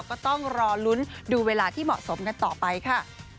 ก็ต้องรอลุ้นดูเวลาที่เหมาะสมกันต่อไปค่ะ